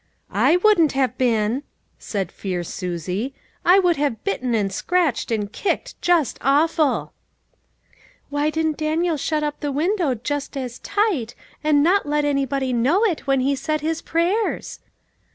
" I wouldn't have been," said fierce Susie ;" I would have bitten, and scratched and kicked just awful !" "Why didn't Daniel shut up the window just as tight, and not let anybody know it when he said his prayers?"